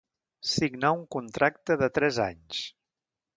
Signà un contracte de tres anys.